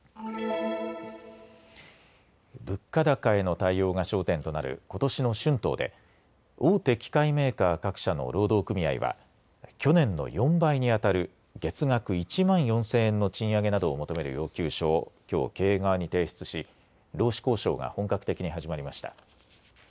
物価高への対応が焦点となることしの春闘で大手機械メーカー各社の労働組合は去年の４倍にあたる月額１万４０００円の賃上げなどを求める要求書をきょう経営側に提出し労使交渉が本格的に始まりました。